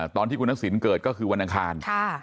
ตอนที่คุณทักษิณเกิดก็คือวันอังคาร